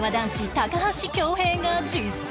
高橋恭平が実践！